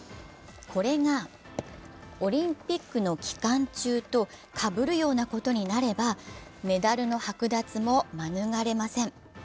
これがオリンピックの期間中とかぶるようなことになれば、メダルの剥奪も免れません。